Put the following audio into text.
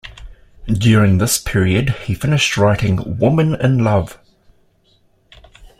During this period he finished writing "Women in Love".